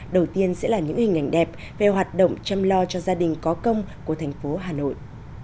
đầu tiên sẽ là những hình ảnh đẹp về hoạt động chăm lo cho gia đình có công của thành phố hà nội